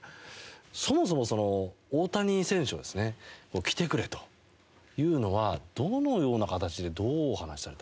そもそも大谷選手をですね来てくれというのはどのような形でどうお話しされたんですか？